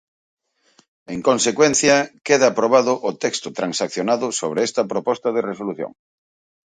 En consecuencia, queda aprobado o texto transaccionado sobre esta proposta de resolución.